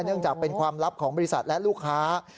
เนื่องจากเป็นความลับของบริษัทและลูกค้า